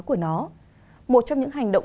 của nó một trong những hành động